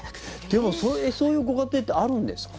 でも、そういうご家庭ってあるんですか？